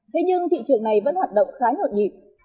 thế nhưng thị trường này vẫn hoạt động khá nhộn nhịp